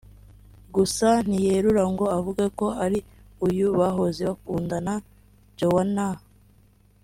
gusa ntiyerura ngo avuge ko ari uyu bahoze bakundana Joannah